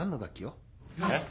えっ？